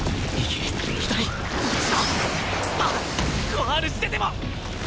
ファウルしてでも！